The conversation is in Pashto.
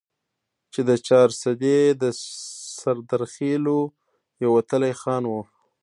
چې د چارسدي د سردرخيلو يو وتلے خان وو ،